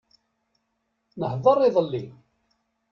Nehḍeṛ idelli.